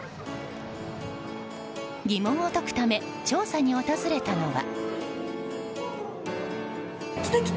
疑問を解くため調査に訪れたのは。